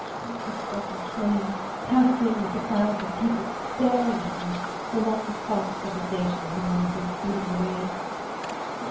Think of the stuffy train, packed in with the crowds of people staring at one; the long stops at the stations when one would be speeding away.